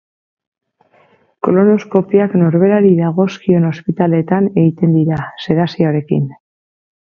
Kolonoskopiak norberari dagozkion ospitaleetan egiten dira, sedazioarekin.